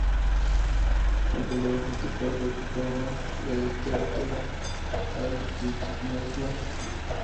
Aunque luego criticó el retorno de este último al kirchnerismo.